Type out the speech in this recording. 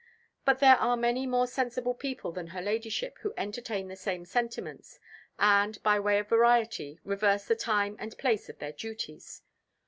But there are many more sensible people than her Ladyship who entertain the same sentiments, and, by way of variety, reverse the time and place of their duties.